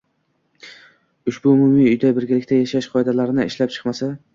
ushbu umumiy uyda birgalikda yashash qoidalarini ishlab chiqmasa...